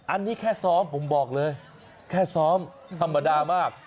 อันนี้แค่ซ้อมผมบอกเลยแค่ซ้อมธรรมดามาก